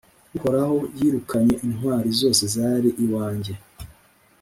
Uhoraho yirukanye intwari zose zari iwanjye,